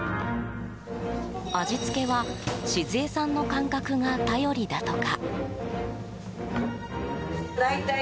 味付けは静恵さんの感覚が頼りだとか。